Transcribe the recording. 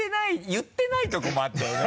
言ってないとこもあったよね。